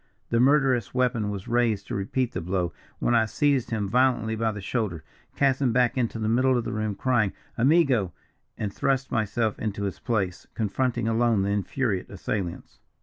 The murderous weapon was raised to repeat the blow, when I seized him violently by the shoulder, cast him back into the middle of the room, crying, 'Amigo,' and thrust myself into his place, confronting alone the infuriate assailants.